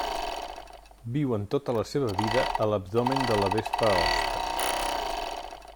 Viuen tota la seva vida a l'abdomen de la vespa hoste.